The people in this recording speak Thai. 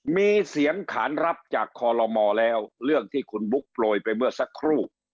มีเสียงขานรับจากคอลโลมอแล้วเรื่องที่คุณบุ๊คโปรยไปเมื่อสักครู่